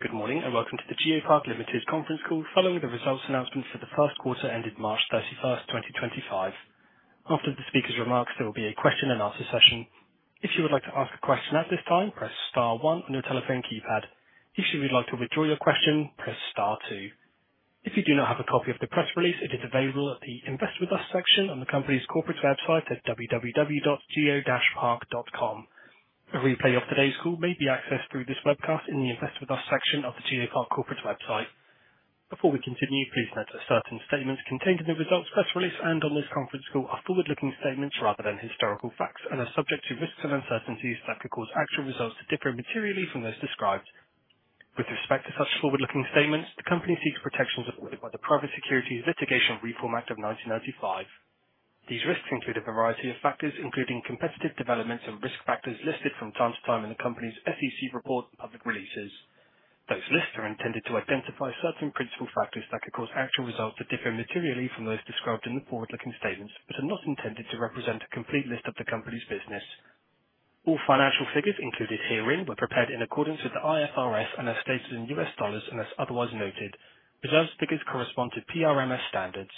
Good morning and welcome to the GeoPark Limited Conference Call following the results announcement for the first quarter ended March 31st, 2025. After the speakers' remarks, there will be a question and answer session. If you would like to ask a question at this time, press star one on your telephone keypad. If you would like to withdraw your question, press star two. If you do not have a copy of the press release, it is available at the Invest with Us section on the company's corporate website at www.geopark.com. A replay of today's call may be accessed through this webcast in the Invest with Us section of the GeoPark corporate website. Before we continue, please note that certain statements contained in the results press release and on this conference call are forward-looking statements rather than historical facts and are subject to risks and uncertainties that could cause actual results to differ materially from those described. With respect to such forward-looking statements, the company seeks protections afforded by the Private Securities Litigation Reform Act of 1995. These risks include a variety of factors, including competitive developments and risk factors listed from time to time in the company's SEC report and public releases. Those lists are intended to identify certain principal factors that could cause actual results to differ materially from those described in the forward-looking statements, but are not intended to represent a complete list of the company's business. All financial figures, included herein, were prepared in accordance with the IFRS and as stated in U.S. dollars and as otherwise noted. Reserved figures correspond to PRMS standards.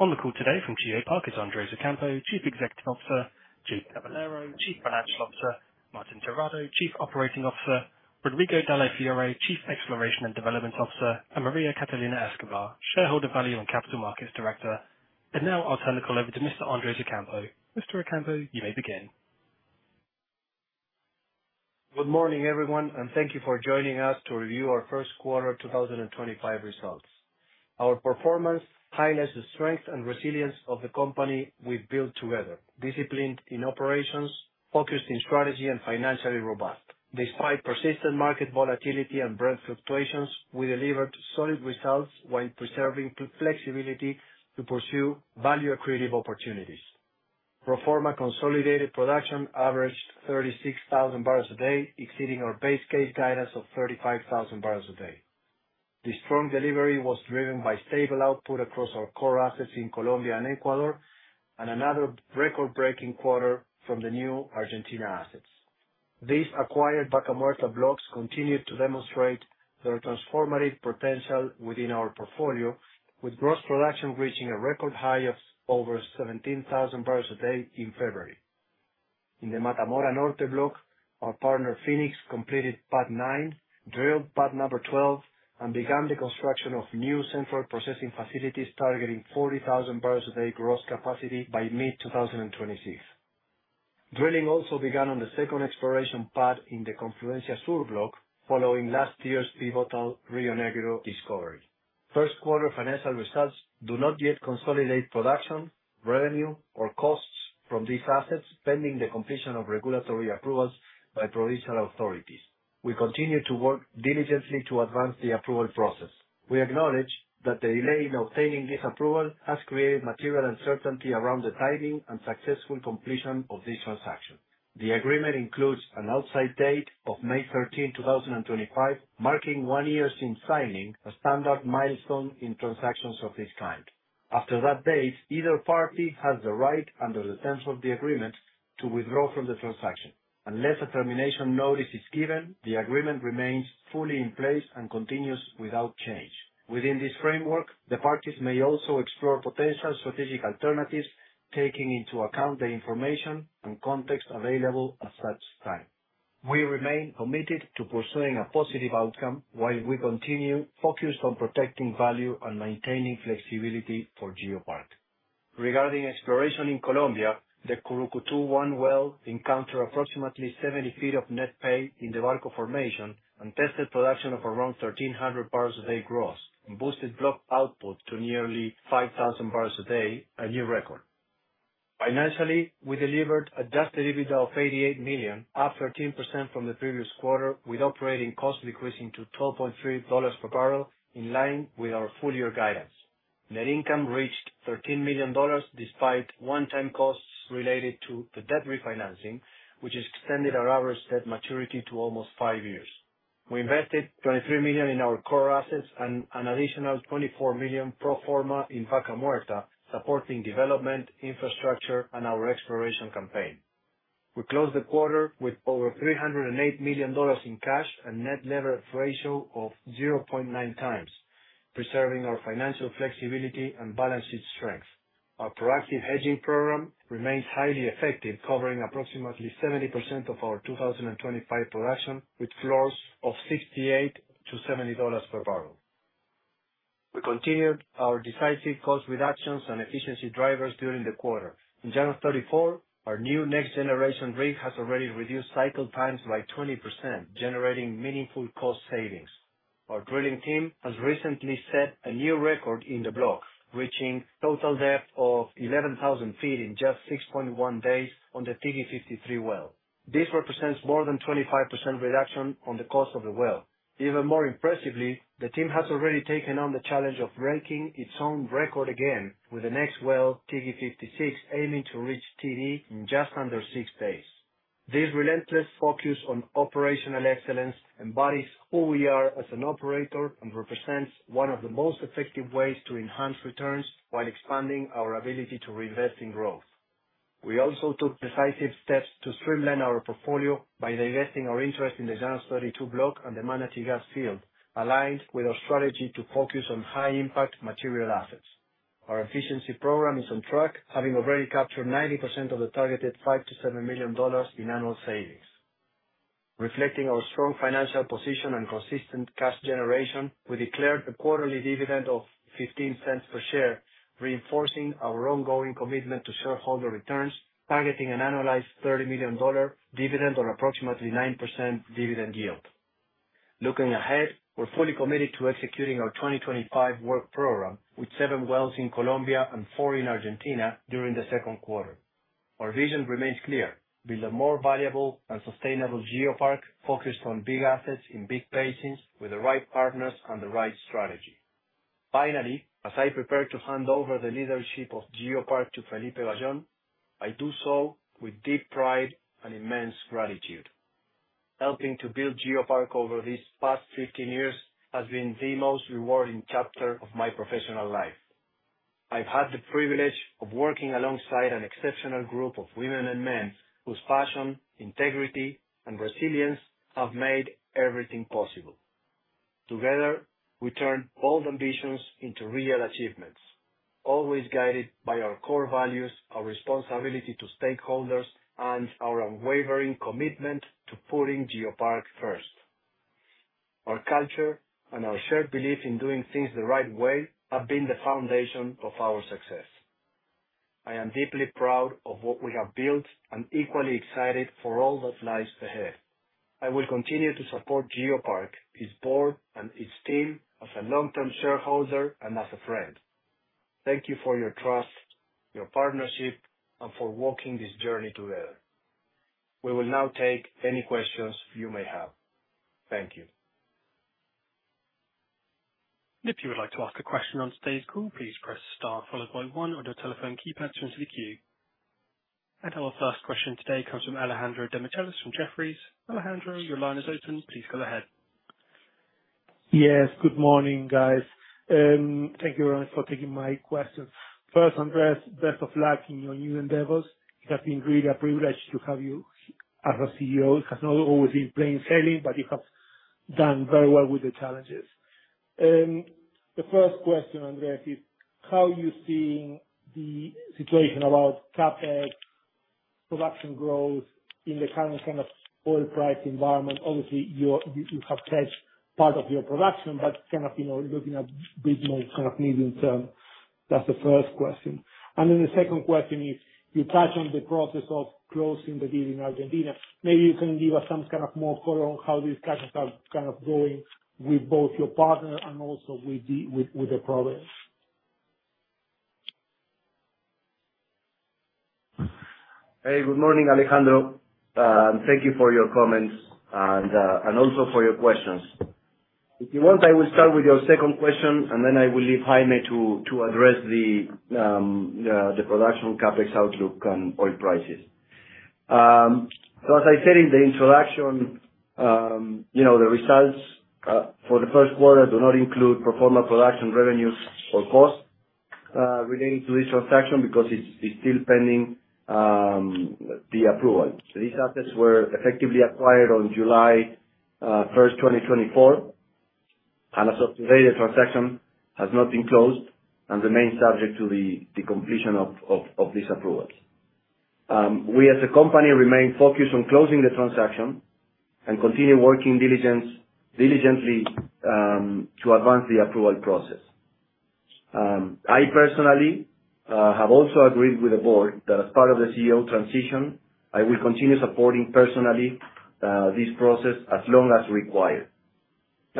On the call today from GeoPark is Andrés Ocampo, Chief Executive Officer, Jamie Caballero, Chief Financial Officer, Martín Terrado, Chief Operating Officer, Rodrigo Dalle Fiore, Chief Exploration and Development Officer, and Maria Catalina Escobar, Shareholder Value and Capital Markets Director. I will now turn the call over to Mr. Andrés Ocampo. Mr. Ocampo, you may begin. Good morning, everyone, and thank you for joining us to review our first quarter 2025 results. Our performance highlights the strength and resilience of the company we've built together: disciplined in operations, focused in strategy, and financially robust. Despite persistent market volatility and Brent fluctuations, we delivered solid results while preserving flexibility to pursue value-accretive opportunities. Proforma consolidated production averaged 36,000 barrels a day, exceeding our base case guidance of 35,000 barrels a day. This strong delivery was driven by stable output across our core assets in Colombia and Ecuador, and another record-breaking quarter from the new Argentina assets. These acquired Vaca Muerta blocks continue to demonstrate their transformative potential within our portfolio, with gross production reaching a record high of over 17,000 barrels a day in February. In the Mata Morá Norte block, our partner Phoenix completed pad nine, drilled pad number 12, and began the construction of new central processing facilities targeting 40,000 barrels a day gross capacity by mid-2026. Drilling also began on the second exploration pad in the Confluencia Sur block, following last year's pivotal Río Negro discovery. First quarter financial results do not yet consolidate production, revenue, or costs from these assets, pending the completion of regulatory approvals by provincial authorities. We continue to work diligently to advance the approval process. We acknowledge that the delay in obtaining this approval has created material uncertainty around the timing and successful completion of this transaction. The agreement includes an outside date of May 13th, 2025, marking one year since signing, a standard milestone in transactions of this kind. After that date, either party has the right under the terms of the agreement to withdraw from the transaction. Unless a termination notice is given, the agreement remains fully in place and continues without change. Within this framework, the parties may also explore potential strategic alternatives, taking into account the information and context available at such time. We remain committed to pursuing a positive outcome while we continue focused on protecting value and maintaining flexibility for GeoPark. Regarding exploration in Colombia, the Curucutú One well encountered approximately 70 ft of net pay in the Barco Formation and tested production of around 1,300 barrels a day gross, and boosted block output to nearly 5,000 barrels a day, a new record. Financially, we delivered a just dividend of $88 million, up 13% from the previous quarter, with operating costs decreasing to $12.3 per barrel, in line with our full-year guidance. Net income reached $13 million despite one-time costs related to the debt refinancing, which extended our average debt maturity to almost five years. We invested $23 million in our core assets and an additional $24 million pro forma in Vaca Muerta, supporting development, infrastructure, and our exploration campaign. We closed the quarter with over $308 million in cash and net leverage ratio of 0.9 times, preserving our financial flexibility and balance sheet strength. Our proactive hedging program remains highly effective, covering approximately 70% of our 2025 production, with floors of $68-$70 per barrel. We continued our decisive cost reductions and efficiency drivers during the quarter. In Llanos 34, our new next-generation rig has already reduced cycle times by 20%, generating meaningful cost savings. Our drilling team has recently set a new record in the block, reaching total depth of 11,000 ft in just 6.1 days on the Tigui 53 well. This represents more than 25% reduction on the cost of the well. Even more impressively, the team has already taken on the challenge of breaking its own record again, with the next well, Tigui 56, aiming to reach TD in just under six days. This relentless focus on operational excellence embodies who we are as an operator and represents one of the most effective ways to enhance returns while expanding our ability to reinvest in growth. We also took decisive steps to streamline our portfolio by divesting our interest in the Llanos 32 block and the Manatee Gas Field, aligned with our strategy to focus on high-impact material assets. Our efficiency program is on track, having already captured 90% of the targeted $5 million-$7 million in annual savings. Reflecting our strong financial position and consistent cash generation, we declared a quarterly dividend of $0.15 per share, reinforcing our ongoing commitment to shareholder returns, targeting an annualized $30 million dividend or approximately 9% dividend yield. Looking ahead, we're fully committed to executing our 2025 work program, with seven wells in Colombia and four in Argentina during the second quarter. Our vision remains clear: build a more valuable and sustainable GeoPark focused on big assets in big basins with the right partners and the right strategy. Finally, as I prepare to hand over the leadership of GeoPark to Felipe Bayón, I do so with deep pride and immense gratitude. Helping to build GeoPark over these past 15 years has been the most rewarding chapter of my professional life. I've had the privilege of working alongside an exceptional group of women and men whose passion, integrity, and resilience have made everything possible. Together, we turn bold ambitions into real achievements, always guided by our core values, our responsibility to stakeholders, and our unwavering commitment to putting GeoPark first. Our culture and our shared belief in doing things the right way have been the foundation of our success. I am deeply proud of what we have built and equally excited for all that lies ahead. I will continue to support GeoPark, its board, and its team as a long-term shareholder and as a friend. Thank you for your trust, your partnership, and for walking this journey together. We will now take any questions you may have. Thank you. If you would like to ask a question on today's call, please press star followed by one on your telephone keypad to enter the queue. Our first question today comes from Alejandro Demichelis from Jefferies. Alejandro, your line is open. Please go ahead. Yes, good morning, guys. Thank you very much for taking my question. First, Andrés, best of luck in your new endeavors. It has been really a privilege to have you as a CEO. It has not always been plain sailing, but you have done very well with the challenges. The first question, Andrés, is how you're seeing the situation about CapEx, production growth in the current kind of oil price environment. Obviously, you have touched part of your production, but kind of looking at a bit more kind of medium term. That's the first question. The second question is, you touched on the process of closing the deal in Argentina. Maybe you can give us some kind of more color on how these cashes are kind of going with both your partner and also with the province. Hey, good morning, Alejandro. Thank you for your comments and also for your questions. If you want, I will start with your second question, and then I will leave Jaime to address the production CapEx outlook and oil prices. As I said in the introduction, the results for the first quarter do not include pro forma production revenues or costs related to this transaction because it is still pending the approval. These assets were effectively acquired on July 1st, 2024, and as of today, the transaction has not been closed and remains subject to the completion of these approvals. We, as a company, remain focused on closing the transaction and continue working diligently to advance the approval process. I personally have also agreed with the board that, as part of the CEO transition, I will continue supporting personally this process as long as required.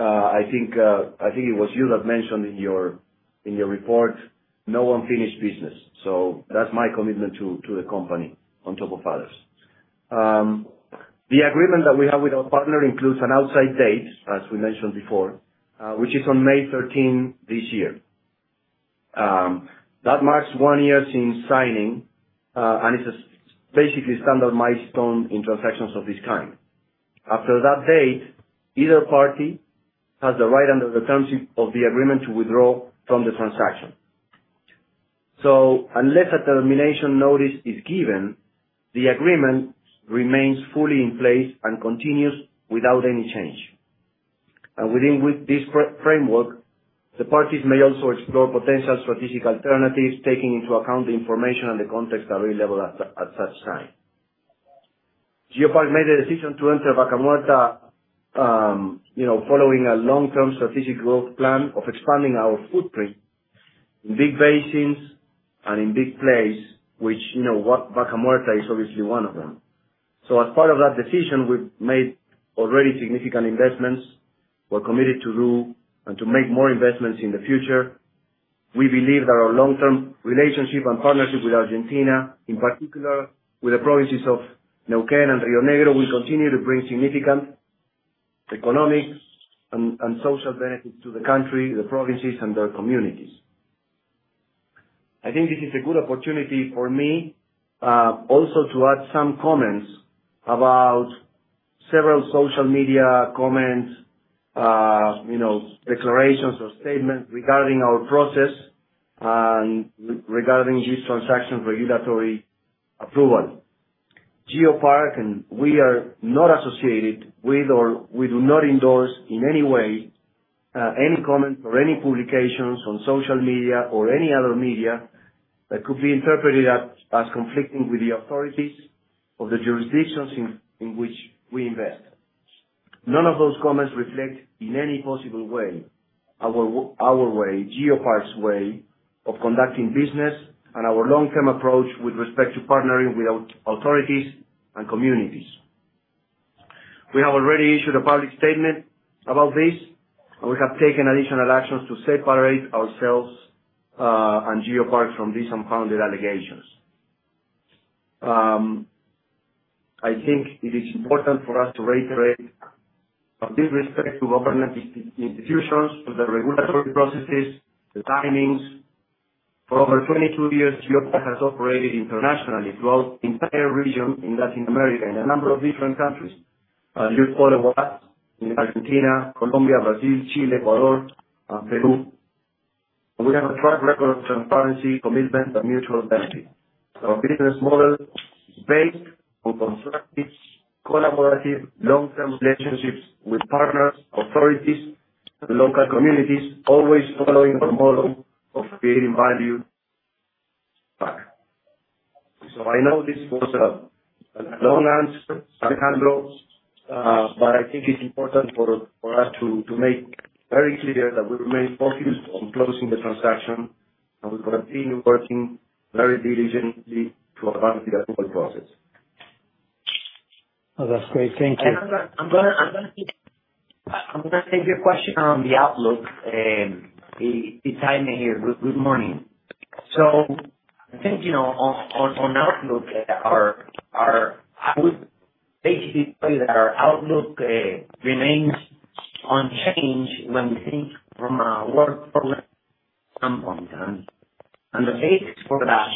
I think it was you that mentioned in your report, "No one finished business." That is my commitment to the company on top of others. The agreement that we have with our partner includes an outside date, as we mentioned before, which is on May 13th this year. That marks one year since signing, and it is basically a standard milestone in transactions of this kind. After that date, either party has the right under the terms of the agreement to withdraw from the transaction. Unless a termination notice is given, the agreement remains fully in place and continues without any change. Within this framework, the parties may also explore potential strategic alternatives, taking into account the information and the context available at such time. GeoPark made a decision to enter Vaca Muerta following a long-term strategic growth plan of expanding our footprint in big basins and in big plays, which Vaca Muerta is obviously one of them. As part of that decision, we've made already significant investments. We're committed to do and to make more investments in the future. We believe that our long-term relationship and partnership with Argentina, in particular with the provinces of Neuquén and Río Negro, will continue to bring significant economic and social benefits to the country, the provinces, and their communities. I think this is a good opportunity for me also to add some comments about several social media comments, declarations, or statements regarding our process and regarding this transaction's regulatory approval. GeoPark and we are not associated with or we do not endorse in any way any comments or any publications on social media or any other media that could be interpreted as conflicting with the authorities of the jurisdictions in which we invest. None of those comments reflect in any possible way our way, GeoPark's way of conducting business and our long-term approach with respect to partnering with authorities and communities. We have already issued a public statement about this, and we have taken additional actions to separate ourselves and GeoPark from these unfounded allegations. I think it is important for us to reiterate our disrespect to government institutions, to the regulatory processes, the timings. For over 22 years, GeoPark has operated internationally throughout the entire region in Latin America and a number of different countries. As you follow us in Argentina, Colombia, Brazil, Chile, Ecuador, and Peru, we have a track record of transparency, commitment, and mutual benefit. Our business model is based on constructive, collaborative, long-term relationships with partners, authorities, and local communities, always following our motto of creating value back. I know this was a long answer, Alejandro, but I think it's important for us to make very clear that we remain focused on closing the transaction, and we continue working very diligently to advance the approval process. Oh, that's great. Thank you. I'm going to take your question on the outlook. It's Jaime here. Good morning. I think on outlook, I would basically tell you that our outlook remains unchanged when we think from a work program standpoint. The basis for that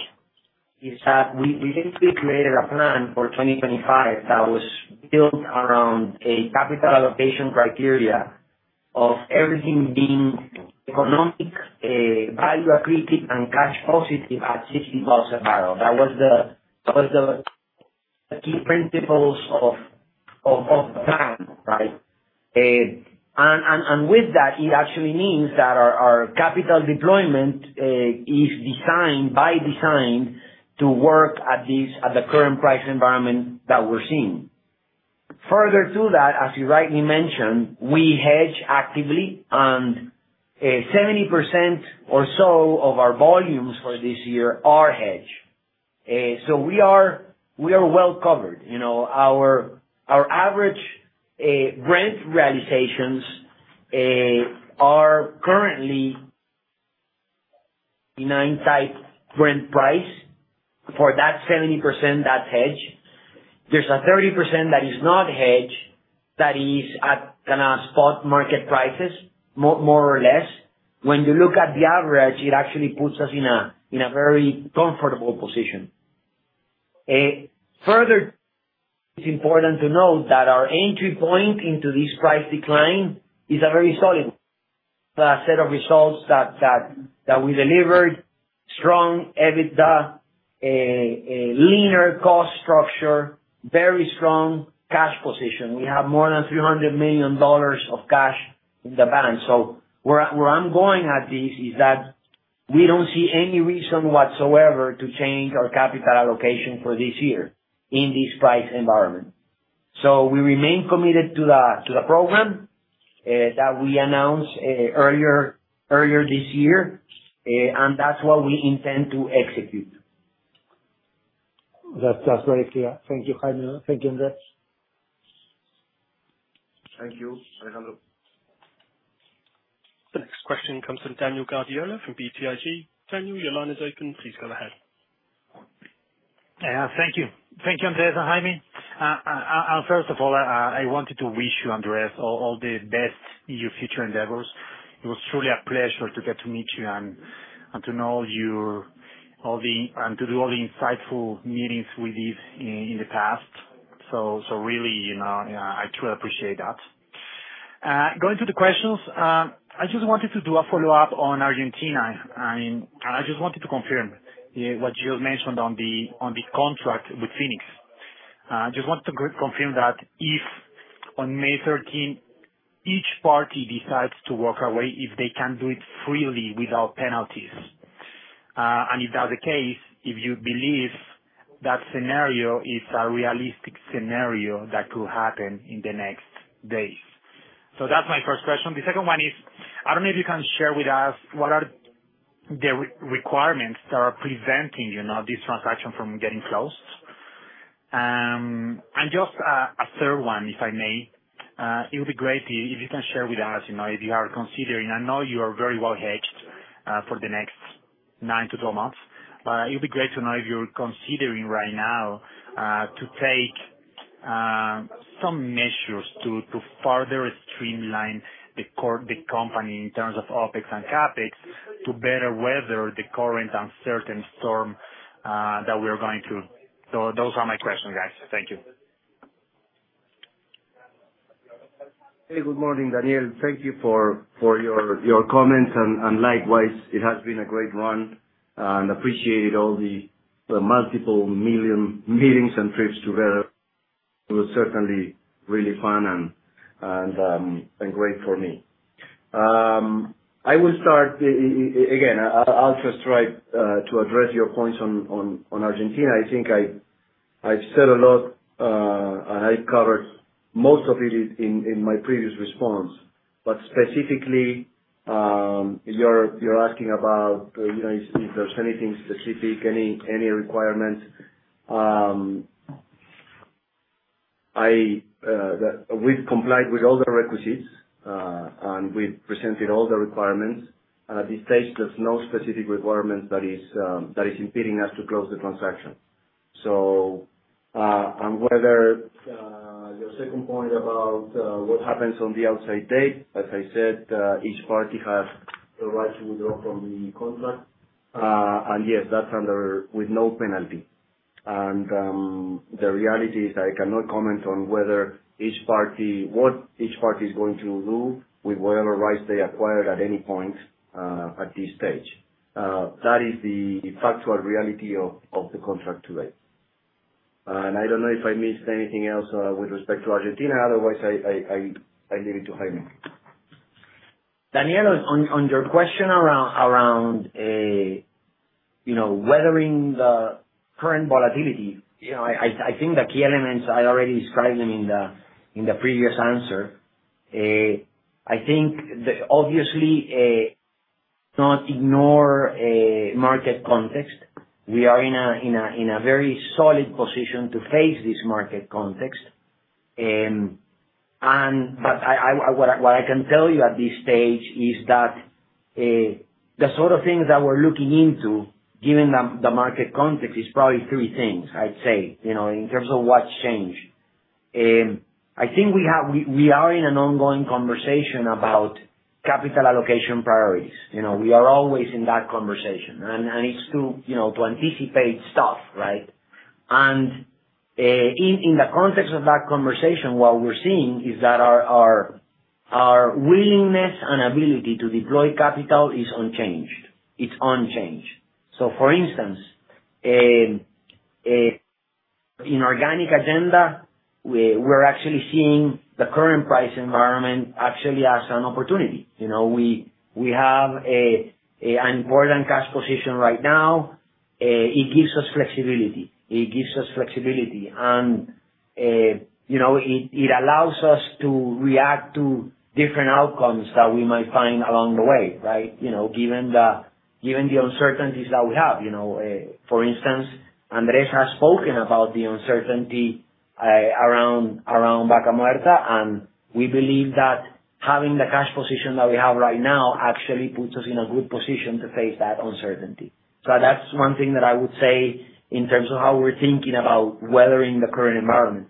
is that we basically created a plan for 2025 that was built around a capital allocation criteria of everything being economic, value-accretive, and cash-positive at $60 a barrel. That was the key principles of the plan, right? With that, it actually means that our capital deployment is designed, by design, to work at the current price environment that we're seeing. Further to that, as you rightly mentioned, we hedge actively, and 70% or so of our volumes for this year are hedged. We are well covered. Our average Brent realizations are currently in a nine-type Brent price. For that 70%, that's hedged. There's a 30% that is not hedged that is at kind of spot market prices, more or less. When you look at the average, it actually puts us in a very comfortable position. Further, it's important to note that our entry point into this price decline is a very solid set of results that we delivered: strong EBITDA, leaner cost structure, very strong cash position. We have more than $300 million of cash in the balance. Where I'm going at this is that we don't see any reason whatsoever to change our capital allocation for this year in this price environment. We remain committed to the program that we announced earlier this year, and that's what we intend to execute. That's great. Thank you, Jaime. Thank you, Andrés. Thank you, Alejandro. The next question comes from Daniel Guardiola from BTG. Daniel, your line is open. Please go ahead. Yeah, thank you. Thank you, Andrés, and Jaime. First of all, I wanted to wish you, Andrés, all the best in your future endeavors. It was truly a pleasure to get to meet you and to know you and to do all the insightful meetings we did in the past. I truly appreciate that. Going to the questions, I just wanted to do a follow-up on Argentina. I just wanted to confirm what you just mentioned on the contract with Phoenix. I just wanted to confirm that if on May 13th, each party decides to walk away, if they can do it freely without penalties. If that's the case, if you believe that scenario is a realistic scenario that could happen in the next days. That's my first question. The second one is, I do not know if you can share with us what are the requirements that are preventing this transaction from getting closed. Just a third one, if I may, it would be great if you can share with us if you are considering—I know you are very well hedged for the next 9 months-12 months—but it would be great to know if you are considering right now to take some measures to further streamline the company in terms of OpEx and CapEx to better weather the current uncertain storm that we are going through. Those are my questions, guys. Thank you. Hey, good morning, Daniel. Thank you for your comments. Likewise, it has been a great run. I appreciate all the multiple million meetings and trips together. It was certainly really fun and great for me. I will start again. I'll just try to address your points on Argentina. I think I've said a lot, and I've covered most of it in my previous response. Specifically, you're asking about if there's anything specific, any requirements. We've complied with all the requisites, and we've presented all the requirements. At this stage, there's no specific requirement that is impeding us to close the transaction. Whether your second point about what happens on the outside date, as I said, each party has the right to withdraw from the contract. Yes, that's under with no penalty. The reality is that I cannot comment on what each party is going to do with whatever rights they acquired at any point at this stage. That is the factual reality of the contract today. I do not know if I missed anything else with respect to Argentina. Otherwise, I leave it to Jaime. Daniel, on your question around weathering the current volatility, I think the key elements I already described them in the previous answer. I think, obviously, not ignore market context. We are in a very solid position to face this market context. What I can tell you at this stage is that the sort of things that we're looking into, given the market context, is probably three things, I'd say, in terms of what's changed. We are in an ongoing conversation about capital allocation priorities. We are always in that conversation. It's to anticipate stuff, right? In the context of that conversation, what we're seeing is that our willingness and ability to deploy capital is unchanged. It's unchanged. For instance, in organic agenda, we're actually seeing the current price environment actually as an opportunity. We have an important cash position right now. It gives us flexibility. It gives us flexibility. It allows us to react to different outcomes that we might find along the way, right, given the uncertainties that we have. For instance, Andrés has spoken about the uncertainty around Vaca Muerta, and we believe that having the cash position that we have right now actually puts us in a good position to face that uncertainty. That is one thing that I would say in terms of how we are thinking about weathering the current environment.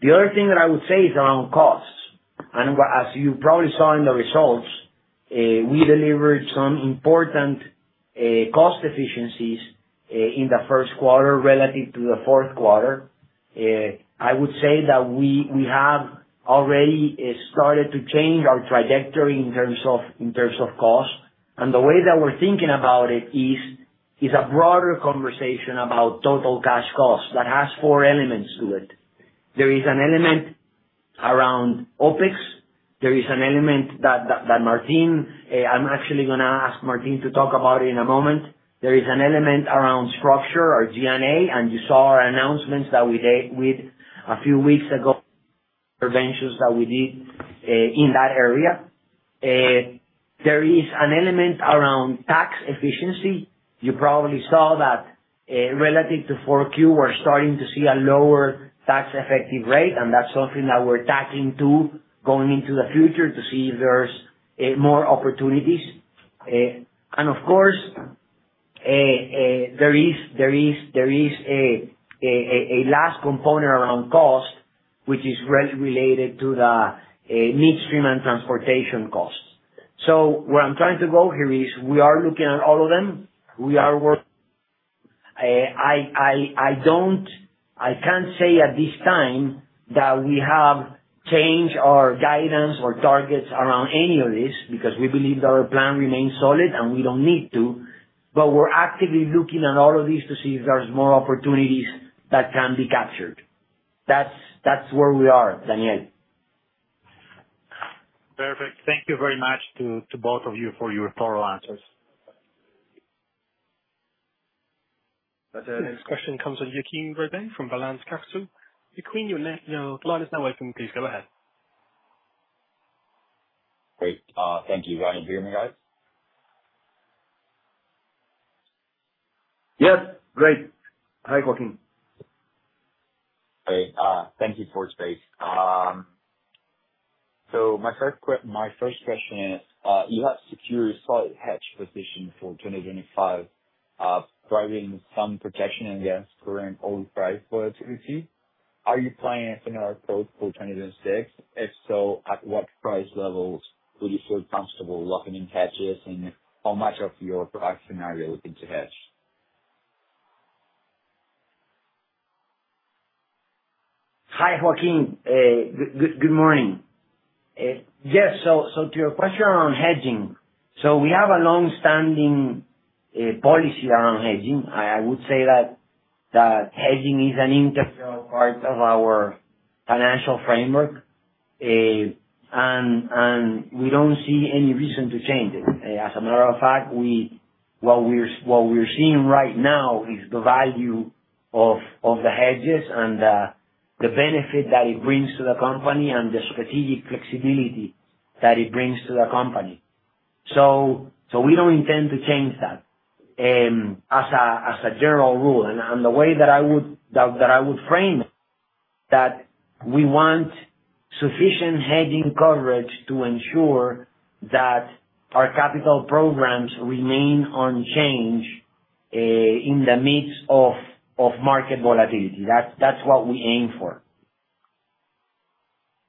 The other thing that I would say is around costs. As you probably saw in the results, we delivered some important cost efficiencies in the first quarter relative to the fourth quarter. I would say that we have already started to change our trajectory in terms of cost. The way that we're thinking about it is a broader conversation about total cash cost that has four elements to it. There is an element around OpEx. There is an element that Martin—I'm actually going to ask Martin to talk about it in a moment. There is an element around structure, our G&A, and you saw our announcements that we did a few weeks ago, interventions that we did in that area. There is an element around tax efficiency. You probably saw that relative to 4Q, we're starting to see a lower tax-effective rate, and that's something that we're tackling too going into the future to see if there's more opportunities. Of course, there is a last component around cost, which is related to the midstream and transportation costs. Where I'm trying to go here is we are looking at all of them. We are working. I can't say at this time that we have changed our guidance or targets around any of this because we believe that our plan remains solid and we don't need to. We're actively looking at all of these to see if there's more opportunities that can be captured. That's where we are, Daniel. Perfect. Thank you very much to both of you for your thorough answers. That's it. Next question comes from Joaquim Verde from Balance Capital. Joaquim, your line is now open. Please go ahead. Great. Thank you. Can you hear me, guys? Yes, great. Hi, Joaquim. Okay. Thank you for the space. My first question is, you have secured a solid hedge position for 2025, providing some protection against current oil price volatility. Are you planning a similar approach for 2026? If so, at what price levels would you feel comfortable locking in hedges, and how much of your price scenario are you looking to hedge? Hi, Joaquim. Good morning. Yes. To your question around hedging, we have a long-standing policy around hedging. I would say that hedging is an integral part of our financial framework, and we do not see any reason to change it. As a matter of fact, what we are seeing right now is the value of the hedges and the benefit that it brings to the company and the strategic flexibility that it brings to the company. We do not intend to change that as a general rule. The way that I would frame it is that we want sufficient hedging coverage to ensure that our capital programs remain unchanged in the midst of market volatility. That is what we aim for.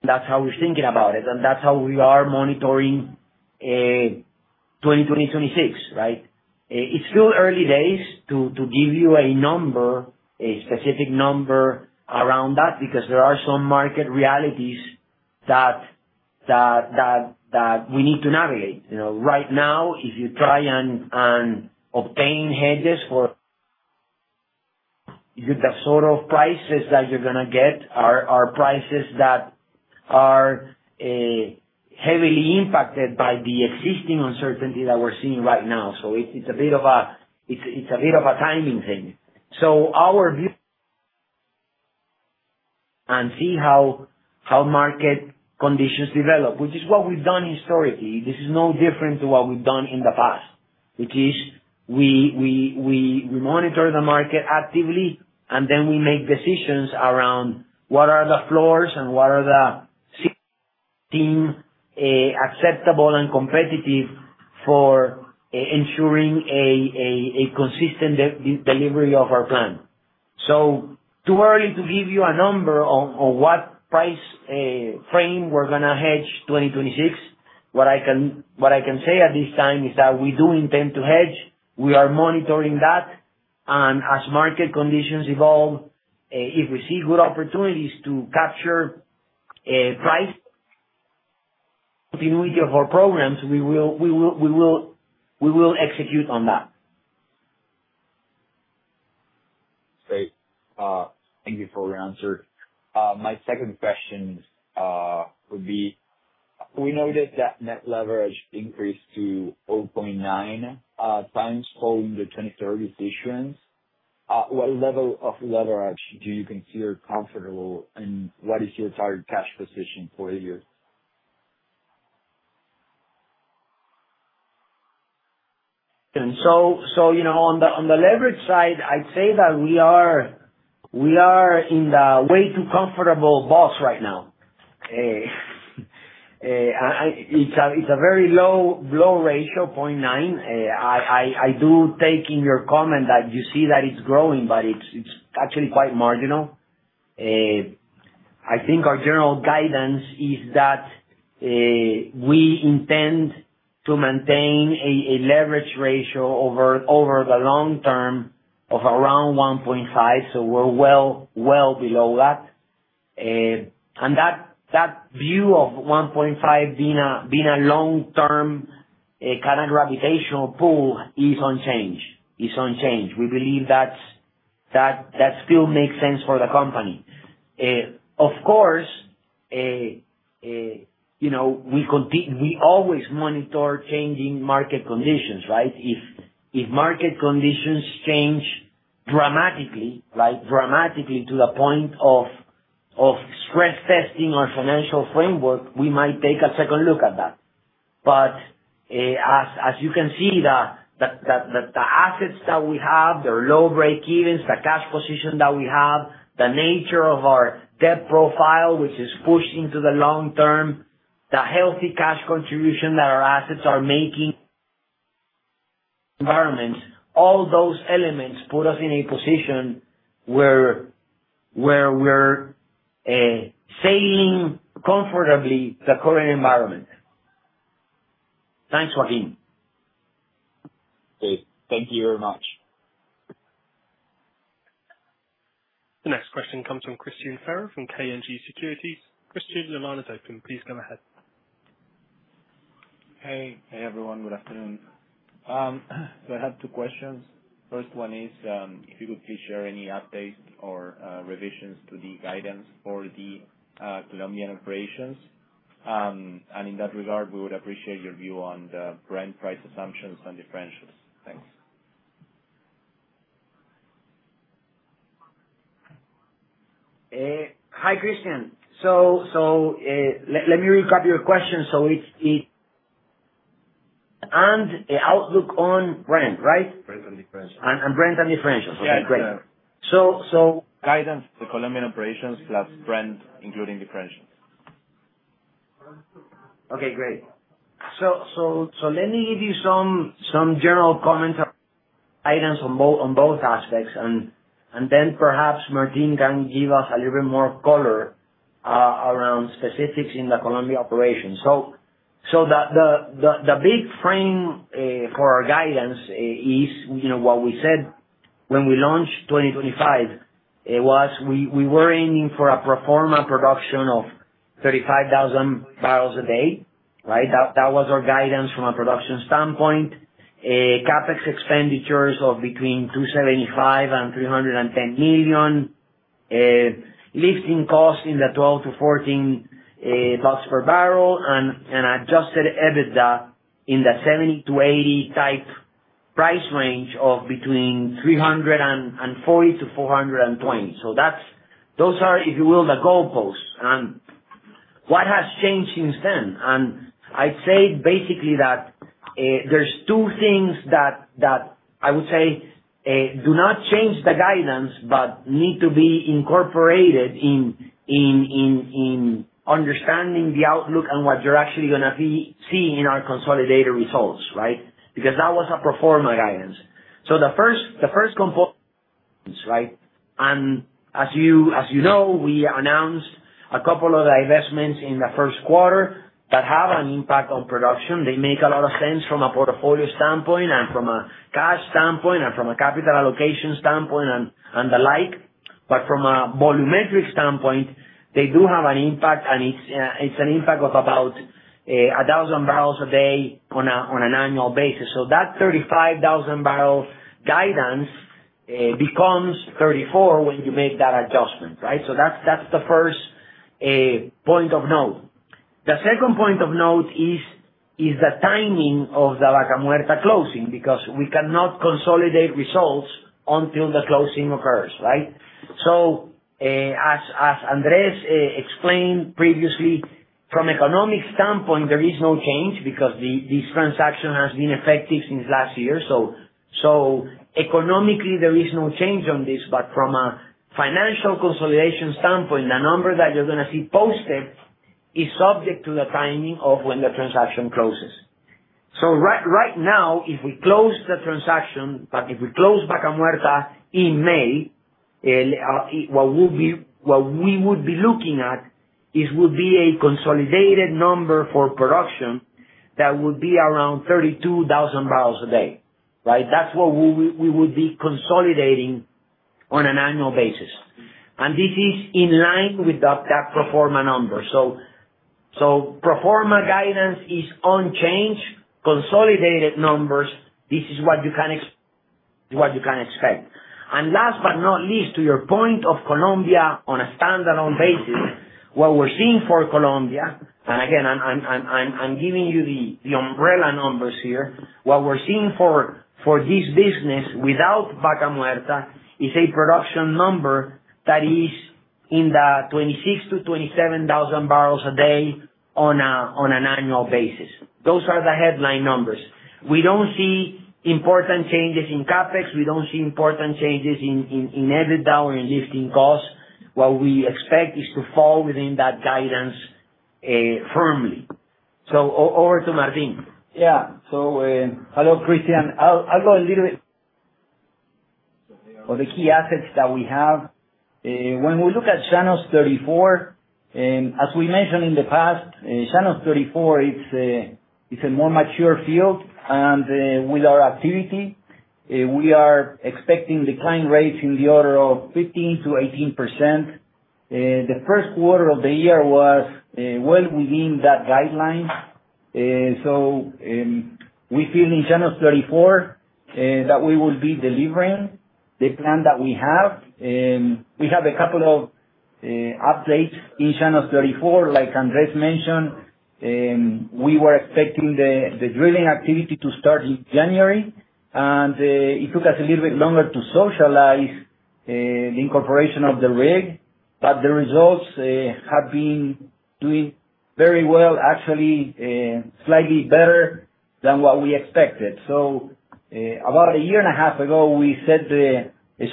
That is how we are thinking about it, and that is how we are monitoring 2026, right? It's still early days to give you a specific number around that because there are some market realities that we need to navigate. Right now, if you try and obtain hedges for the sort of prices that you're going to get, are prices that are heavily impacted by the existing uncertainty that we're seeing right now. It's a bit of a timing thing. Our view is to see how market conditions develop, which is what we've done historically. This is no different to what we've done in the past, which is we monitor the market actively, and then we make decisions around what are the floors and what seem acceptable and competitive for ensuring a consistent delivery of our plan. Too early to give you a number on what price frame we're going to hedge 2026, what I can say at this time is that we do intend to hedge. We are monitoring that. As market conditions evolve, if we see good opportunities to capture price continuity of our programs, we will execute on that. Great. Thank you for your answer. My second question would be, we noted that net leverage increased to 0.9x following the 2030 issuance. What level of leverage do you consider comfortable, and what is your target cash position for the year? On the leverage side, I'd say that we are in the way-too-comfortable box right now. It's a very low ratio, 0.9. I do take in your comment that you see that it's growing, but it's actually quite marginal. I think our general guidance is that we intend to maintain a leverage ratio over the long term of around 1.5. We're well below that. That view of 1.5 being a long-term kind of gravitational pull is unchanged. It's unchanged. We believe that still makes sense for the company. Of course, we always monitor changing market conditions, right? If market conditions change dramatically, right, dramatically to the point of stress testing our financial framework, we might take a second look at that. As you can see, the assets that we have, the low breakevens, the cash position that we have, the nature of our debt profile, which is pushed into the long term, the healthy cash contribution that our assets are making, environments, all those elements put us in a position where we're sailing comfortably the current environment. Thanks, Joaquim. Great. Thank you very much. The next question comes from Christian Ferrer from K&G Securities. Christian, your line is open. Please go ahead. Hey, hey, everyone. Good afternoon. I have two questions. First one is if you could please share any updates or revisions to the guidance for the Colombian operations. In that regard, we would appreciate your view on the Brent price assumptions and differentials. Thanks. Hi, Christian. So let me recap your question. So it's an outlook on Brent, right? Brent and differential. Brent and differentials. Okay. Great. Yeah. Yeah. So. Guidance, The Colombian operations plus Brent including differentials. Okay. Great. Let me give you some general comments on guidance on both aspects. Then perhaps Martin can give us a little bit more color around specifics in the Colombian operations. The big frame for our guidance is what we said when we launched 2025 was we were aiming for a pro forma production of 35,000 barrels a day, right? That was our guidance from a production standpoint. CapEx expenditures of between $275 million and $310 million. Lifting costs in the $12-$14 per barrel and adjusted EBITDA in the $70-$80 type price range of between $340 million-$420 million. Those are, if you will, the goalposts. What has changed since then? I'd say basically that there are two things that I would say do not change the guidance but need to be incorporated in understanding the outlook and what you are actually going to see in our consolidated results, right? Because that was a pro forma guidance. The first component, right? As you know, we announced a couple of divestments in the first quarter that have an impact on production. They make a lot of sense from a portfolio standpoint and from a cash standpoint and from a capital allocation standpoint and the like. From a volumetric standpoint, they do have an impact, and it is an impact of about 1,000 barrels a day on an annual basis. That 35,000 barrel guidance becomes 34,000 when you make that adjustment, right? That is the first point of note. The second point of note is the timing of the Vaca Muerta closing because we cannot consolidate results until the closing occurs, right? As Andrés explained previously, from an economic standpoint, there is no change because this transaction has been effective since last year. Economically, there is no change on this, but from a financial consolidation standpoint, the number that you're going to see posted is subject to the timing of when the transaction closes. Right now, if we close the transaction, if we close Vaca Muerta in May, what we would be looking at would be a consolidated number for production that would be around 32,000 barrels a day, right? That's what we would be consolidating on an annual basis. This is in line with that pro forma number. Pro forma guidance is unchanged. Consolidated numbers, this is what you can expect. Last but not least, to your point of Colombia on a standalone basis, what we are seeing for Colombia—and again, I am giving you the umbrella numbers here—what we are seeing for this business without Vaca Muerta is a production number that is in the 26,000 barrels-27,000 barrels a day on an annual basis. Those are the headline numbers. We do not see important changes in CapEx. We do not see important changes in EBITDA or in lifting costs. What we expect is to fall within that guidance firmly. Over to Martin. Yeah. Hello, Christian. I'll go a little bit on the key assets that we have. When we look at Llanos 34, as we mentioned in the past, Llanos 34 is a more mature field. With our activity, we are expecting decline rates in the order of 15%-18%. The first quarter of the year was well within that guideline. We feel in Llanos 34 that we will be delivering the plan that we have. We have a couple of updates in Llanos 34. Like Andrés mentioned, we were expecting the drilling activity to start in January, and it took us a little bit longer to socialize the incorporation of the rig. The results have been doing very well, actually slightly better than what we expected. About a year and a half ago, we said the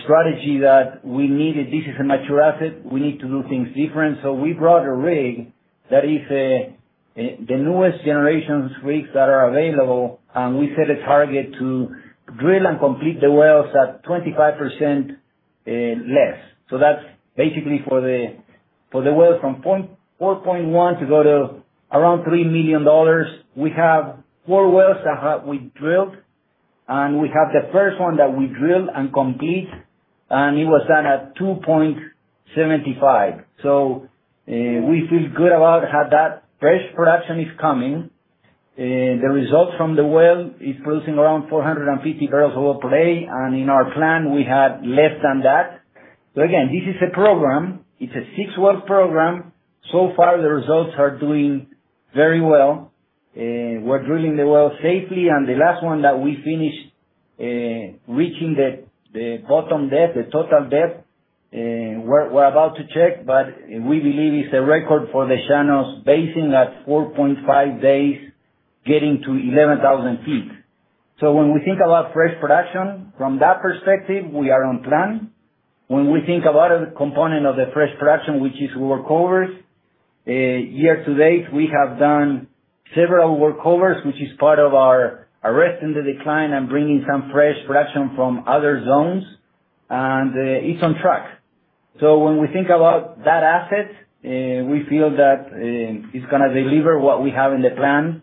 strategy that we needed—this is a mature asset—we need to do things different. We brought a rig that is the newest generation rigs that are available, and we set a target to drill and complete the wells at 25% less. That is basically for the wells from $4.1 million to go to around $3 million. We have four wells that we drilled, and we have the first one that we drilled and completed, and it was done at $2.75 million. We feel good about that. Fresh production is coming. The result from the well is producing around 450 barrels of oil per day. In our plan, we had less than that. This is a program. It is a six-well program. So far, the results are doing very well. We are drilling the well safely. The last one that we finished reaching the bottom depth, the total depth, we are about to check, but we believe it is a record for the Llanos basin at 4.5 days getting to 11,000 ft. When we think about fresh production from that perspective, we are on plan. When we think about a component of the fresh production, which is workovers, year to date, we have done several workovers, which is part of our arresting the decline and bringing some fresh production from other zones. It is on track. When we think about that asset, we feel that it is going to deliver what we have in the plan.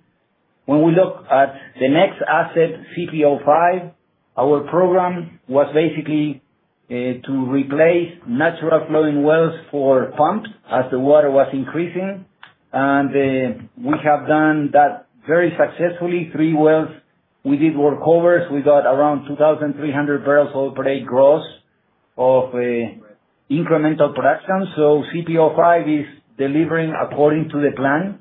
When we look at the next asset, CPO-5, our program was basically to replace natural flowing wells for pumps as the water was increasing. We have done that very successfully. Three wells, we did workovers. We got around 2,300 barrels per day gross of incremental production. CPO-5 is delivering according to the plan.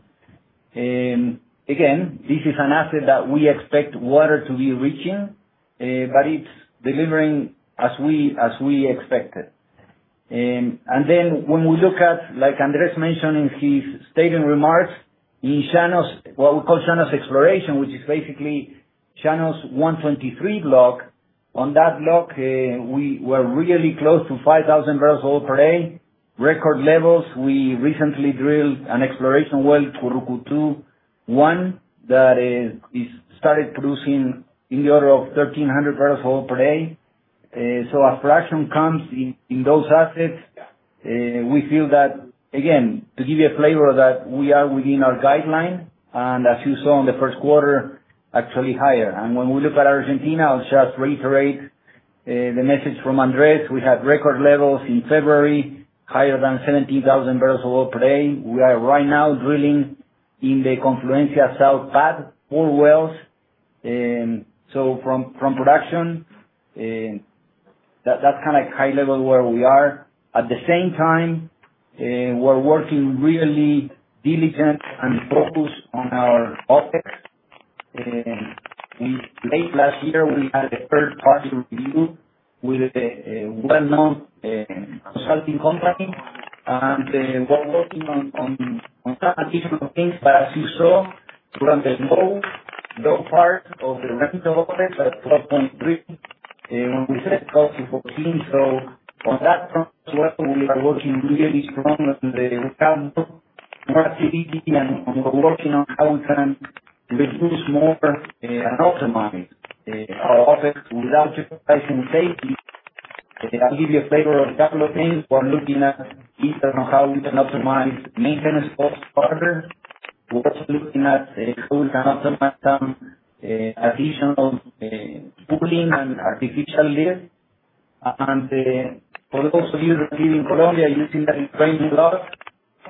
Again, this is an asset that we expect water to be reaching, but it is delivering as we expected. When we look at, like Andrés mentioned in his statement remarks, what we call Channels Exploration, which is basically Llanos 123 block, on that block, we were really close to 5,000 barrels of oil per day, record levels. We recently drilled an exploration well, Curucutú One, that started producing in the order of 1,300 barrels of oil per day. A fraction comes in those assets. We feel that, again, to give you a flavor of that, we are within our guideline. As you saw in the first quarter, actually higher. When we look at Argentina, I will just reiterate the message from Andrés. We had record levels in February, higher than 17,000 barrels of oil per day. We are right now drilling in the Confluencia Sur pad, four wells. From production, that's kind of high level where we are. At the same time, we're working really diligent and focused on our OpEx. Late last year, we had a third-party review with a well-known consulting company. We're working on some additional things. As you saw, we're on the low part of the range of OpEx at $12.3 when we set goal to $14. On that front as well, we are working really strong on the work activity. We're working on how we can reduce more and optimize our OpEx without compromising safety. I'll give you a flavor of a couple of things we're looking at in terms of how we can optimize maintenance costs further. We're also looking at how we can optimize some additional cooling and artificial lift. For those of you that live in Colombia, you see that it's raining a lot.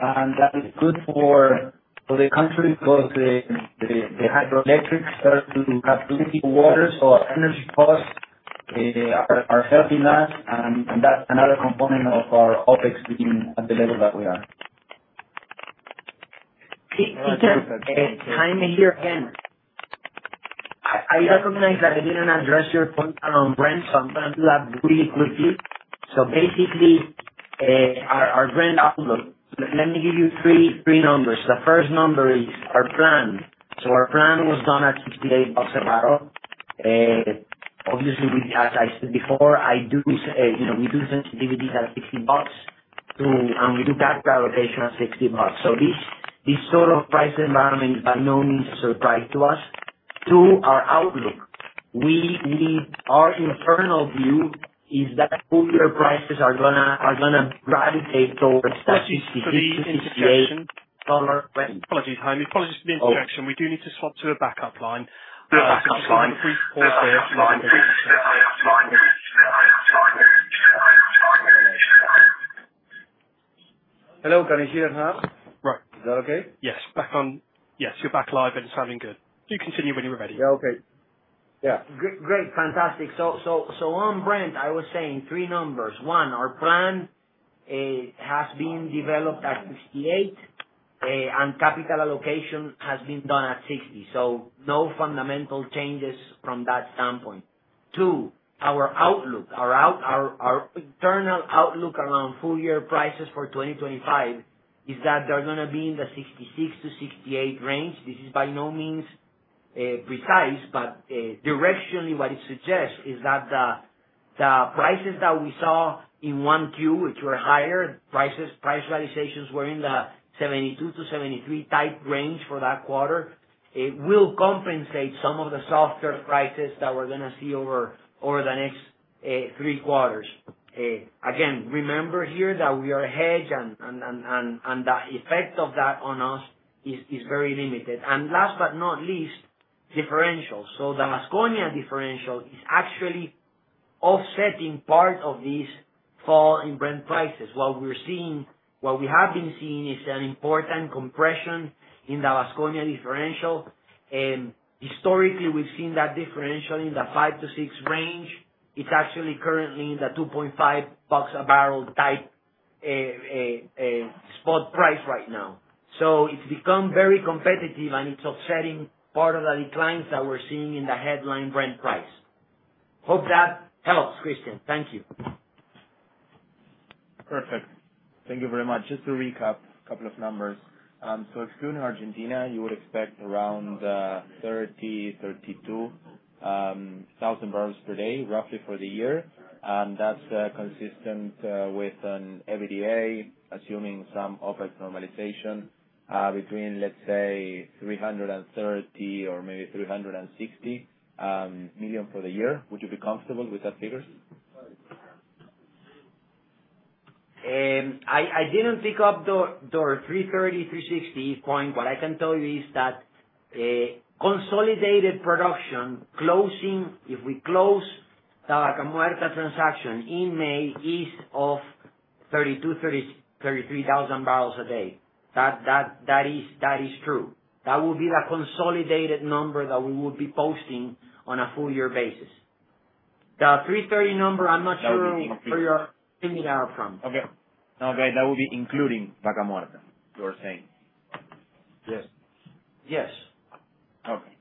That is good for the country because the hydroelectric started to have too much water. Energy costs are helping us. That's another component of our OpEx being at the level that we are. Christian, time to hear again. I recognize that I didn't address your point on Brent, so I'm going to do that really quickly. Basically, our Brent outlook, let me give you three numbers. The first number is our plan. Our plan was done at $68 a barrel. Obviously, as I said before, we do sensitivities at $60, and we do capital allocation at $60. This sort of price environment is by no means a surprise to us. Two, our outlook. Our internal view is that crude prices are going to gravitate towards $63-$68. Apologies, Jaime. Apologies for the interjection. We do need to swap to a backup line. Hello. Can you hear us now? Right. Is that okay? Yes. Back on. Yes. You're back live, but it's sounding good. You continue when you're ready. Yeah. Okay. Yeah. Great. Fantastic. On Brent, I was saying three numbers. One, our plan has been developed at $68, and capital allocation has been done at $60. No fundamental changes from that standpoint. Two, our outlook, our internal outlook around full year prices for 2025 is that they're going to be in the $66-$68 range. This is by no means precise, but directionally, what it suggests is that the prices that we saw in 1Q, which were higher, price realizations were in the $72-$73 type range for that quarter, will compensate some of the softer prices that we're going to see over the next three quarters. Again, remember here that we are hedged, and the effect of that on us is very limited. Last but not least, differential. The Vasconia differential is actually offsetting part of this fall in Brent prices. What we have been seeing is an important compression in the Vasconia differential. Historically, we've seen that differential in the $5-$6 range. It's actually currently in the $2.5 a barrel type spot price right now. It has become very competitive, and it is offsetting part of the declines that we're seeing in the headline Brent price. Hope that helps, Christian. Thank you. Perfect. Thank you very much. Just to recap a couple of numbers. Excluding Argentina, you would expect around 30,000 barrels-32,000 barrels per day, roughly for the year. That is consistent with an EBITDA, assuming some OpEx normalization, between, let's say, $330 million or maybe $360 million for the year. Would you be comfortable with that figure? I did not pick up the $330 million, $360 million point. What I can tell you is that consolidated production closing, if we close the Vaca Muerta transaction in May, is of 32,000 barrels-33,000 barrels a day. That is true. That would be the consolidated number that we would be posting on a full year basis. The $330 million number, I am not sure where you are coming out from. Okay. Okay. That would be including Vaca Muerta, you were saying? Yes. Yes. Okay.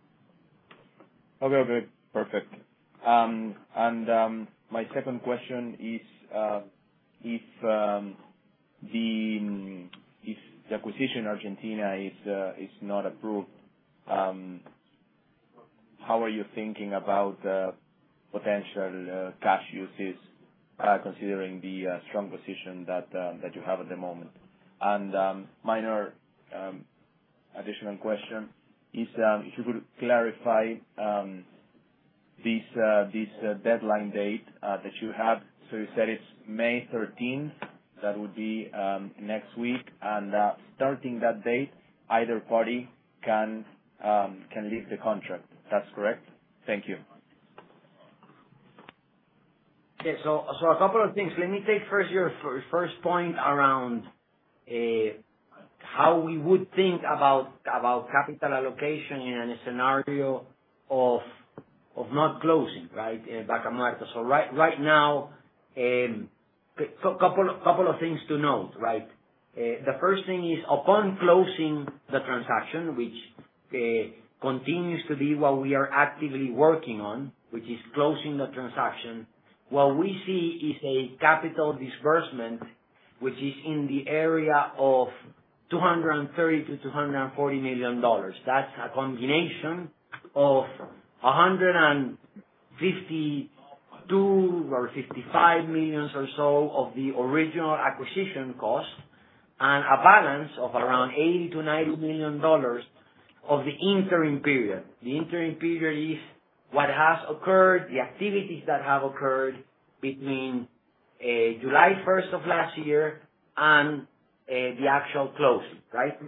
Okay. Okay. Perfect. My second question is, if the acquisition Argentina is not approved, how are you thinking about potential cash uses considering the strong position that you have at the moment? My additional question is, if you could clarify this deadline date that you have. You said it is May 13th. That would be next week. Starting that date, either party can leave the contract. That is correct? Thank you. Okay. So a couple of things. Let me take first your first point around how we would think about capital allocation in a scenario of not closing, right, Vaca Muerta. Right now, a couple of things to note, right? The first thing is, upon closing the transaction, which continues to be what we are actively working on, which is closing the transaction, what we see is a capital disbursement, which is in the area of $230 million-$240 million. That is a combination of $152 million or $155 million or so of the original acquisition cost and a balance of around $80 million-$90 million of the interim period. The interim period is what has occurred, the activities that have occurred between July 1 of last year and the actual closing, right?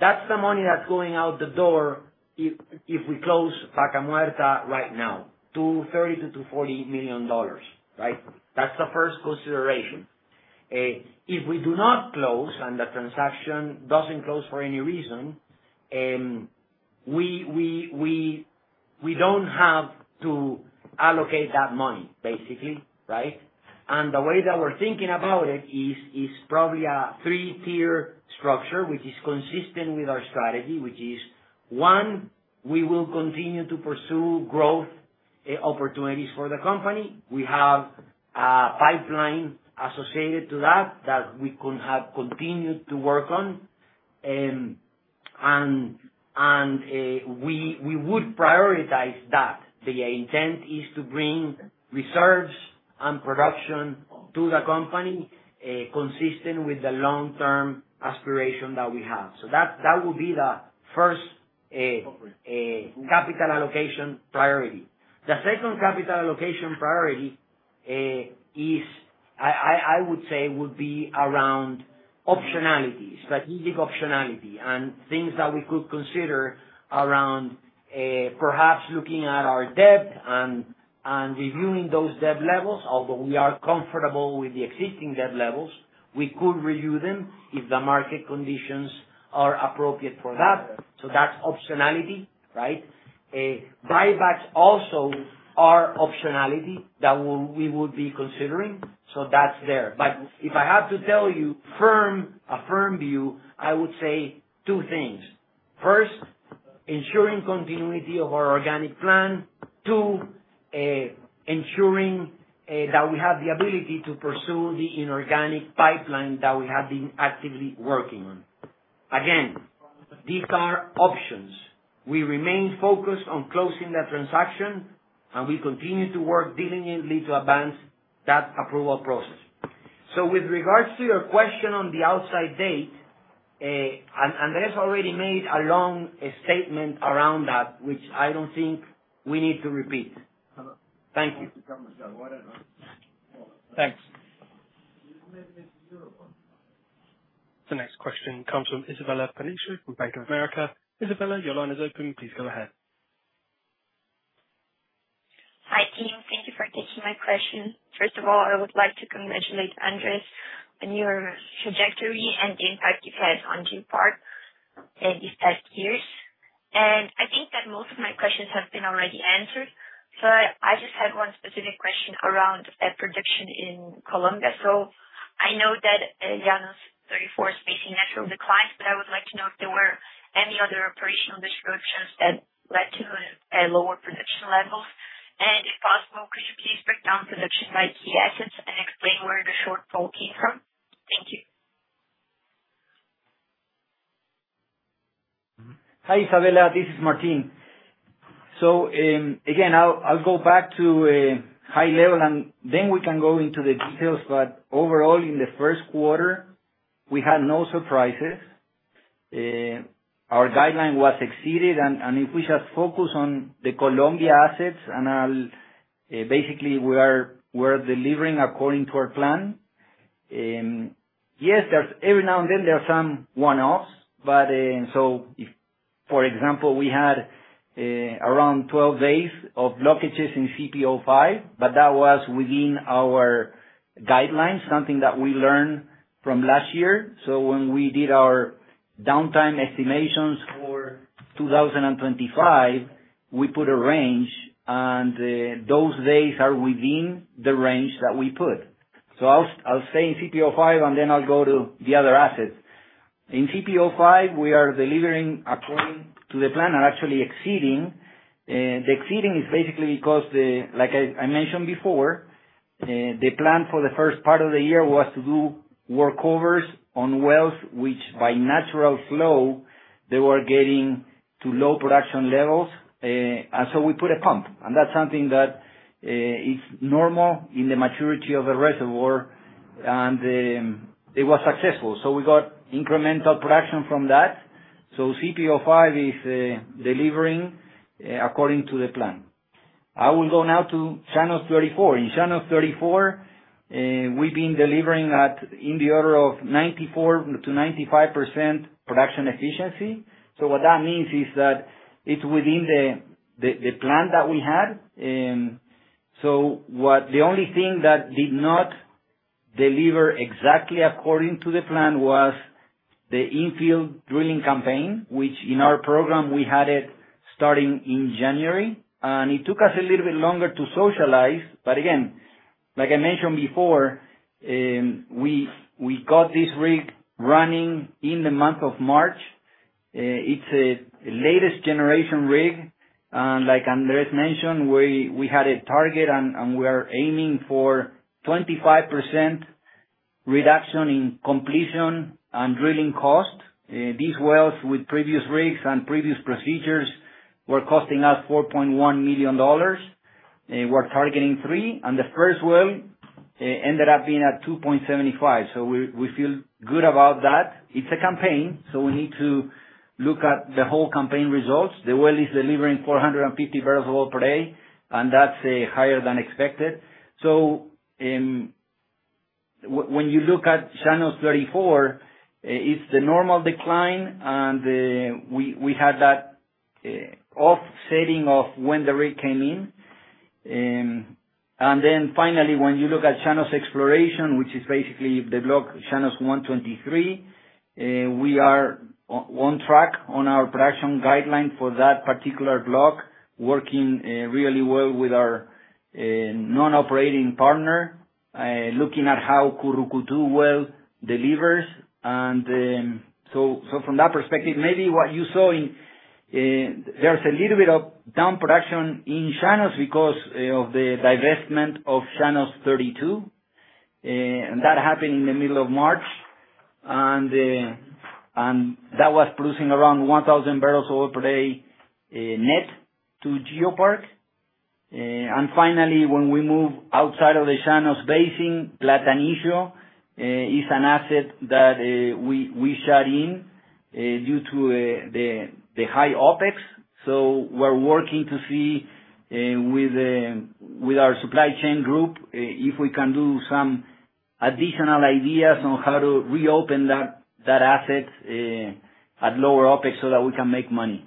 That's the money that's going out the door if we close Vaca Muerta right now, $230 million-$240 million, right? That's the first consideration. If we do not close and the transaction does not close for any reason, we do not have to allocate that money, basically, right? The way that we're thinking about it is probably a three-tier structure, which is consistent with our strategy, which is, one, we will continue to pursue growth opportunities for the company. We have a pipeline associated to that that we can have continued to work on. We would prioritize that. The intent is to bring reserves and production to the company consistent with the long-term aspiration that we have. That would be the first capital allocation priority. The second capital allocation priority is, I would say, would be around optionalities, strategic optionality, and things that we could consider around perhaps looking at our debt and reviewing those debt levels. Although we are comfortable with the existing debt levels, we could review them if the market conditions are appropriate for that. That is optionality, right? Buybacks also are optionality that we would be considering. That is there. If I have to tell you a firm view, I would say two things. First, ensuring continuity of our organic plan. Two, ensuring that we have the ability to pursue the inorganic pipeline that we have been actively working on. Again, these are options. We remain focused on closing the transaction, and we continue to work diligently to advance that approval process. With regards to your question on the outside date, Andrés already made a long statement around that, which I do not think we need to repeat. Thank you. Thanks. The next question comes from Isabella Peniche from Bank of America. Isabella, your line is open. Please go ahead. Hi, team. Thank you for taking my question. First of all, I would like to congratulate Andrés on your trajectory and the impact you've had on GeoPark these past years. I think that most of my questions have been already answered. I just have one specific question around production in Colombia. I know that Llanos 34 is facing natural decline, but I would like to know if there were any other operational disruptions that led to lower production levels. If possible, could you please break down production by key assets and explain where the shortfall came from? Thank you. Hi, Isabella. This is Martin. Again, I'll go back to high level, and then we can go into the details. Overall, in the first quarter, we had no surprises. Our guideline was exceeded. If we just focus on the Colombia assets, basically we are delivering according to our plan. Yes, every now and then there are some one-offs. For example, we had around 12 days of blockages in CPO-5, but that was within our guidelines, something that we learned from last year. When we did our downtime estimations for 2025, we put a range, and those days are within the range that we put. I'll stay in CPO-5, and then I'll go to the other assets. In CPO-5, we are delivering according to the plan and actually exceeding. The exceeding is basically because, like I mentioned before, the plan for the first part of the year was to do workovers on wells, which by natural flow, they were getting to low production levels. So we put a pump. That is something that is normal in the maturity of the reservoir, and it was successful. We got incremental production from that. CPO-5 is delivering according to the plan. I will go now to Llanos 34. In Llanos 34, we've been delivering in the order of 94%-95% production efficiency. What that means is that it's within the plan that we had. The only thing that did not deliver exactly according to the plan was the infield drilling campaign, which in our program, we had it starting in January. It took us a little bit longer to socialize. Like I mentioned before, we got this rig running in the month of March. It is a latest generation rig. Like Andrés mentioned, we had a target, and we are aiming for 25% reduction in completion and drilling cost. These wells with previous rigs and previous procedures were costing us $4.1 million. We are targeting three. The first well ended up being at $2.75 million. We feel good about that. It is a campaign, so we need to look at the whole campaign results. The well is delivering 450 barrels of oil per day, and that is higher than expected. When you look at Llanos 34, it is the normal decline, and we had that offsetting of when the rig came in. Finally, when you look at Llanos exploration, which is basically the block Llanos 123, we are on track on our production guideline for that particular block, working really well with our non-operating partner, looking at how Curucutú well delivers. From that perspective, maybe what you saw, there's a little bit of down production in Llanos because of the divestment of Llanos 32. That happened in the middle of March. That was producing around 1,000 barrels of oil per day net to GeoPark. Finally, when we move outside of the Llanos basin, Platanillo is an asset that we shut in due to the high OpEx. We're working to see with our supply chain group if we can do some additional ideas on how to reopen that asset at lower OpEx so that we can make money.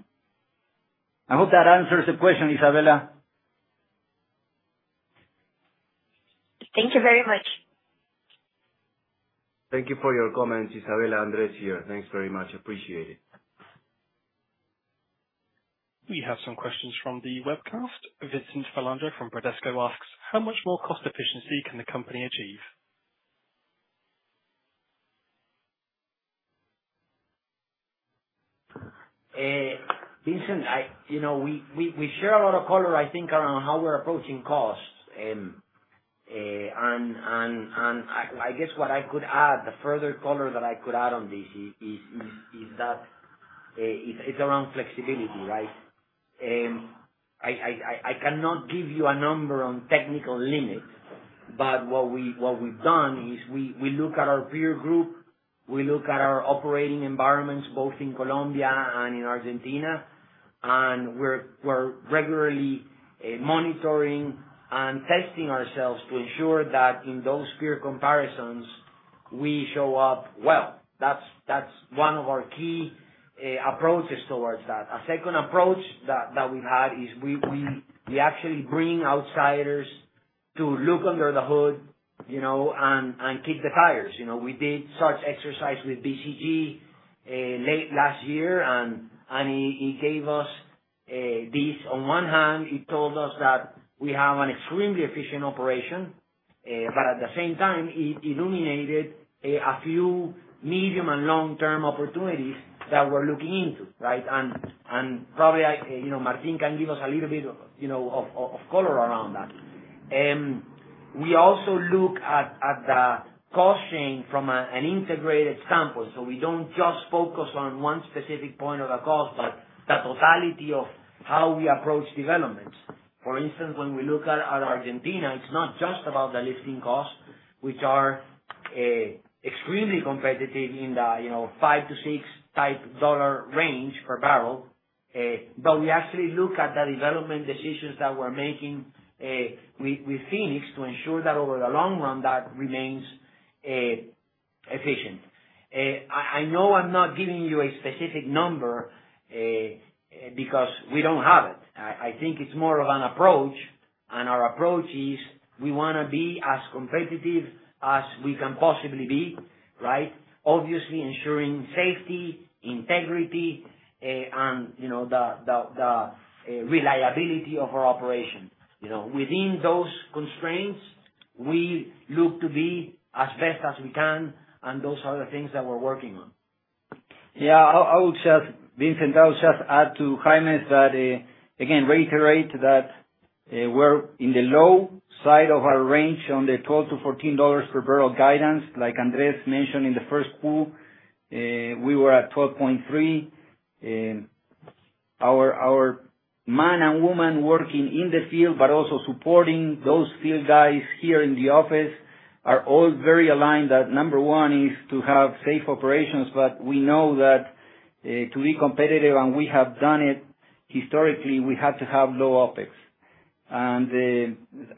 I hope that answers the question, Isabella. Thank you very much. Thank you for your comments, Isabella. Andrés here. Thanks very much. Appreciate it. We have some questions from the webcast. Vincent Falange from Berdesco asks, "How much more cost efficiency can the company achieve? Vincent, we share a lot of color, I think, around how we're approaching cost. I guess what I could add, the further color that I could add on this is that it's around flexibility, right? I cannot give you a number on technical limits, but what we've done is we look at our peer group, we look at our operating environments, both in Colombia and in Argentina, and we're regularly monitoring and testing ourselves to ensure that in those peer comparisons, we show up well. That's one of our key approaches towards that. A second approach that we've had is we actually bring outsiders to look under the hood and kick the tires. We did such exercise with BCG late last year, and it gave us these. On one hand, it told us that we have an extremely efficient operation, but at the same time, it illuminated a few medium and long-term opportunities that we're looking into, right? Probably Martin can give us a little bit of color around that. We also look at the cost chain from an integrated standpoint. We do not just focus on one specific point of the cost, but the totality of how we approach developments. For instance, when we look at Argentina, it is not just about the lifting costs, which are extremely competitive in the $5-$6 range per barrel, but we actually look at the development decisions that we're making with Phoenix to ensure that over the long run, that remains efficient. I know I am not giving you a specific number because we do not have it. I think it's more of an approach, and our approach is we want to be as competitive as we can possibly be, right? Obviously, ensuring safety, integrity, and the reliability of our operation. Within those constraints, we look to be as best as we can, and those are the things that we're working on. Yeah. Vincent, I'll just add to Jaime's that, again, reiterate that we're in the low side of our range on the $12-$14 per barrel guidance. Like Andrés mentioned in the first pool, we were at $12.3. Our men and women working in the field, but also supporting those field guys here in the office, are all very aligned that number one is to have safe operations, but we know that to be competitive, and we have done it historically, we have to have low OpEx.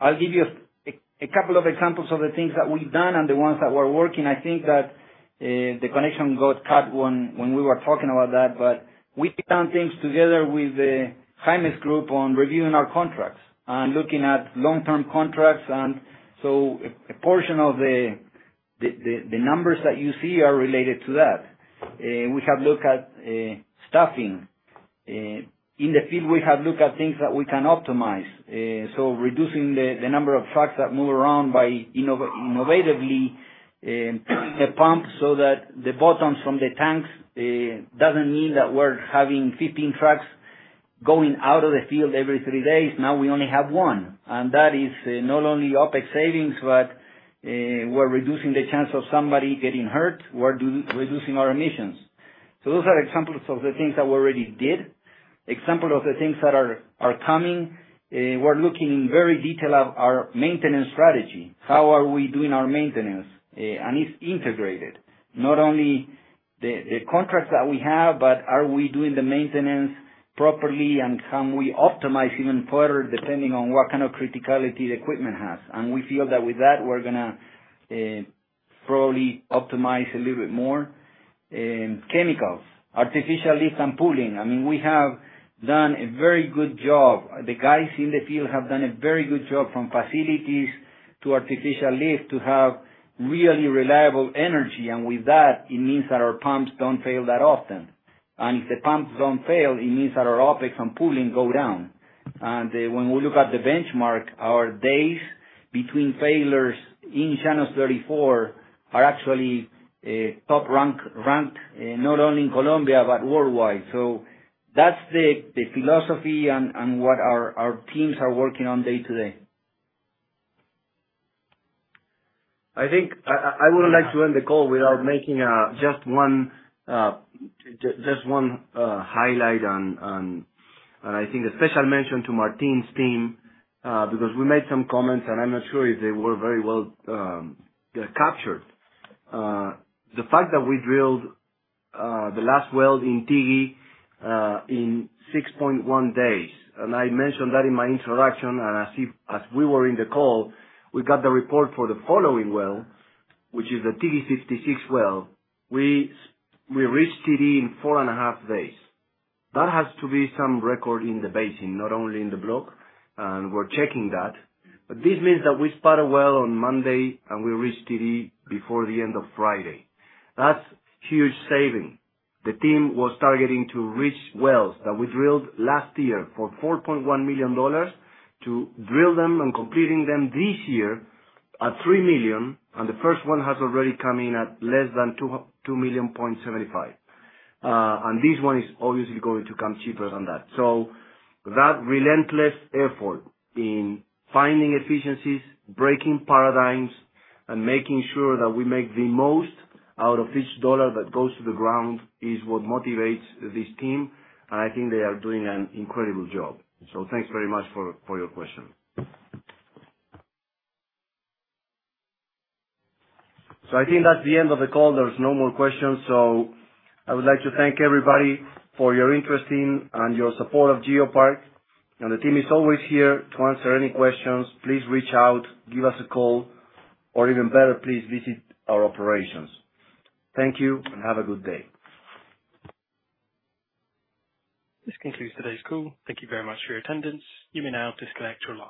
I'll give you a couple of examples of the things that we've done and the ones that we're working. I think that the connection got cut when we were talking about that. We've done things together with Jaime's group on reviewing our contracts and looking at long-term contracts. A portion of the numbers that you see are related to that. We have looked at staffing. In the field, we have looked at things that we can optimize. Reducing the number of trucks that move around by innovatively the pump so that the bottoms from the tanks doesn't mean that we're having 15 trucks going out of the field every three days. Now we only have one. That is not only OpEx savings, but we're reducing the chance of somebody getting hurt. We're reducing our emissions. Those are examples of the things that we already did. Example of the things that are coming, we're looking in very detail at our maintenance strategy. How are we doing our maintenance? It is integrated. Not only the contracts that we have, but are we doing the maintenance properly and can we optimize even further depending on what kind of criticality the equipment has? We feel that with that, we're going to probably optimize a little bit more. Chemicals, artificial lift and pooling. I mean, we have done a very good job. The guys in the field have done a very good job from facilities to artificial lift to have really reliable energy. With that, it means that our pumps do not fail that often. If the pumps do not fail, it means that our OpEx and pooling go down. When we look at the benchmark, our days between failures in Llanos 34 are actually top-ranked, not only in Colombia, but worldwide. That is the philosophy and what our teams are working on day to day. I think I would not like to end the call without making just one highlight, and I think a special mention to Martin's team because we made some comments, and I am not sure if they were very well captured. The fact that we drilled the last well in Tigui in 6.1 days. I mentioned that in my introduction, and as we were in the call, we got the report for the following well, which is the Tigui 56 well. We reached TD in four and a half days. That has to be some record in the basin, not only in the block, and we are checking that. This means that we spot a well on Monday, and we reached TD before the end of Friday. That is a huge saving. The team was targeting to reach wells that we drilled last year for $4.1 million to drill them and completing them this year at $3 million, and the first one has already come in at less than $2.75 milliom. This one is obviously going to come cheaper than that. That relentless effort in finding efficiencies, breaking paradigms, and making sure that we make the most out of each dollar that goes to the ground is what motivates this team. I think they are doing an incredible job. Thanks very much for your question. I think that is the end of the call. There are no more questions. I would like to thank everybody for your interest in and your support of GeoPark. The team is always here to answer any questions. Please reach out, give us a call, or even better, please visit our operations. Thank you and have a good day. This concludes today's call. Thank you very much for your attendance. You may now disconnect your line.